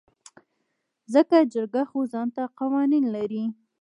ځکه جرګه خو ځانته قوانين لري .